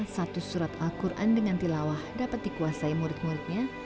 satu surat al quran dengan tilawah dapat dikuasai murid muridnya